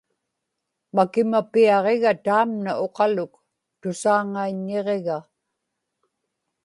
makimapiaġiga taamna uqaluk, tusaaŋaiññiġiga